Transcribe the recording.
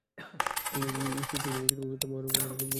তিনি উন্নত, মহান ও মহিমান্বিত।